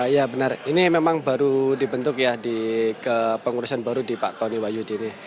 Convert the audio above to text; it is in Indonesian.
ya benar ini memang baru dibentuk ya ke pengurusan baru di pak tony wayudini